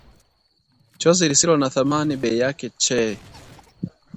Chozi lisilo na thamani, bei yake chee